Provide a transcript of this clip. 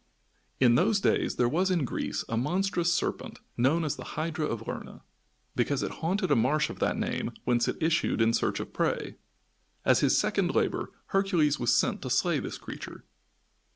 In those days, there was in Greece a monstrous serpent known as the Hydra of Lerna, because it haunted a marsh of that name whence it issued in search of prey. As his second labor, Hercules was sent to slay this creature.